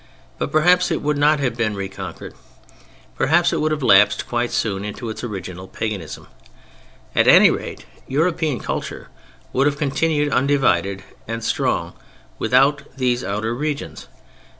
But perhaps it would not have been reconquered. Perhaps it would have lapsed quite soon into its original paganism. At any rate European culture would have continued undivided and strong without these outer regions.